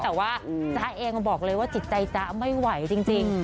แต่ว่าจ๊ะเองบอกเลยว่าจิตใจจ๊ะไม่ไหวจริง